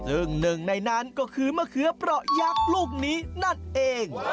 ซึ่งหนึ่งในนั้นก็คือมะเขือเปราะยักษ์ลูกนี้นั่นเอง